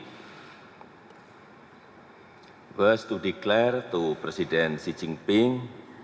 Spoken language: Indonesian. adalah untuk mengucapkan kepada presiden xi jinping